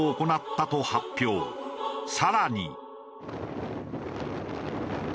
更に。